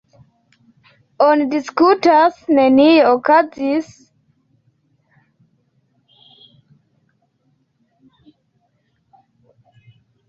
Oni diskutas, nenio okazas, ili disiĝas de la araboj, sed ili daŭre sekvas ilin.